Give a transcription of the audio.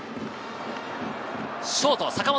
ショート・坂本。